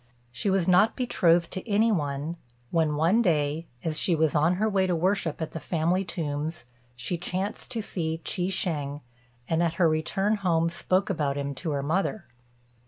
She was not betrothed to any one, when one day, as she was on her way to worship at the family tombs, she chanced to see Chi shêng, and at her return home spoke about him to her mother.